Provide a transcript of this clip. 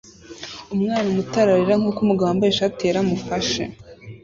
Umwana muto ararira nkuko umugabo wambaye ishati yera amufashe